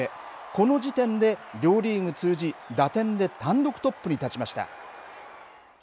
この時点で、両リーグ通じ、打点で単独トップに立ちました。